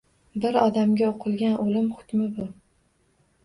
Bir odamga o’qilgan o’lim hukmi bu